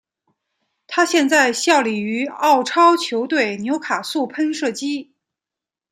他现在效力于澳超球队纽卡素喷射机。